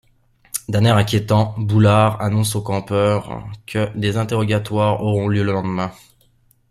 D'un air inquiétant, Boulard annonce aux campeurs que des interrogatoires auront lieu le lendemain.